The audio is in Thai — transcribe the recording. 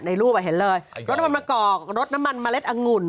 รูปเห็นเลยรสน้ำมันมะกอกรสน้ำมันเมล็ดอังุ่น